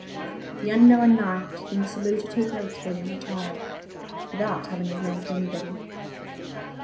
The unknown knight then saluted her gracefully and retired, without telling his name to anybody.